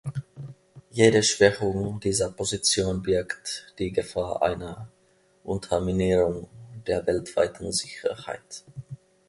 Jede Schwächung dieser Position birgt die Gefahr einer Unterminierung der weltweiten Sicherheit.